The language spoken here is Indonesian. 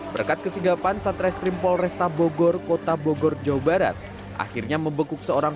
berkat kesinggapan satraestrim polresta bogor kota bogor jawa barat akhirnya mebekuk seorang